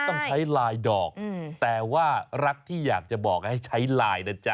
ต้องใช้ลายดอกแต่ว่ารักที่อยากจะบอกให้ใช้ไลน์นะจ๊ะ